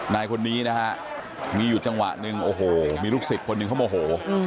นายคนนี้นะฮะมีอยู่จังหวะหนึ่งโอ้โหมีลูกศิษย์คนหนึ่งเขาโมโห